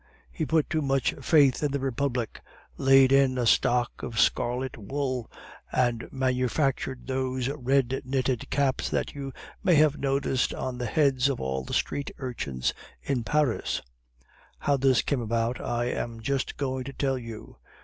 He put too much faith in the Republic, laid in a stock of scarlet wool, and manufactured those red knitted caps that you may have noticed on the heads of all the street urchins in Paris. How this came about I am just going to tell you.